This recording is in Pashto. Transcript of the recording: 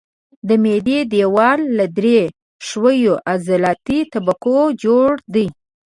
د معدې دېوال له درې ښویو عضلاتي طبقو جوړ دی.